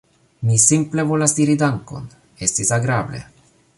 Mi simple volas diri dankon, estis agrable!